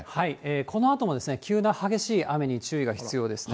このあとも急な激しい雨に注意が必要ですね。